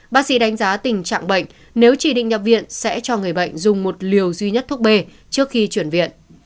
bác sĩ đánh giá tình trạng bệnh nếu chỉ định nhập viện sẽ cho người bệnh dùng một liều duy nhất thuốc b trước khi chuyển viện